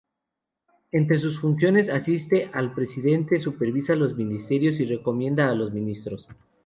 Entre sus funciones asiste al presidente, supervisa los ministerios y recomienda a los ministros.